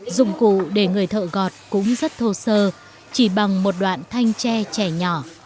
dụng cụ để người thợ gọt cũng rất thô sơ chỉ bằng một đoạn thanh tre trẻ nhỏ